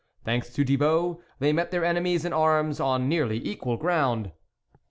Thanks to Thibault they met their enemies in arms on nearly equal ground.